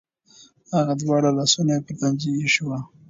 هغه دواړه لاسونه پر تندي ایښي و.